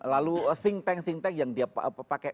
lalu think tank yang dia pakai